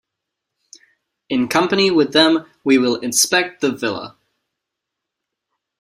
In company with them we will inspect the villa.